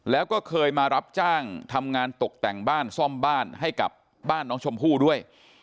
แล้วก็เคยมารับจ้างทำงานตกแต่งบ้านซ่อมบ้านให้กับบ้านน้องชมพู่ด้วย